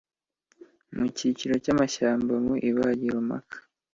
mu cyiciro cyamashyamba mu ibagiro mpaka